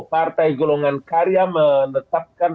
partai golongan karya menetapkan